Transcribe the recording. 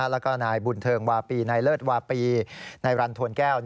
แล้วก็นายบุญเทิงวาปีนายเลิศวาปีนายรันทวนแก้ว